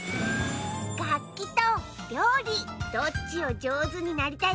がっきとりょうりどっちをじょうずになりたいかきめた？